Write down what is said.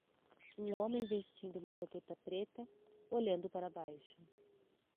Um homem vestindo uma jaqueta preta, olhando para baixo.